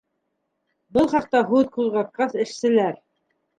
Был хаҡта һүҙ ҡуҙғатҡас, эшселәр: